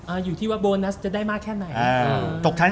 เอ่ออยู่ที่ว่าโบนัสจะได้มากแค่ไหน